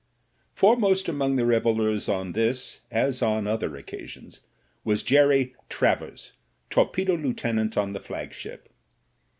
Foremost amongst the revellers on this, as on other occasions, was Jerry Travers, torpedo lieutenant on the flagship.